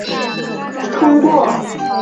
通过考古学的方法白令的原像可以重现。